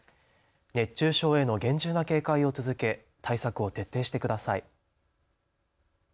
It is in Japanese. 熱中症への厳重な警戒を続け対策を徹底してください。